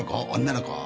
女の子？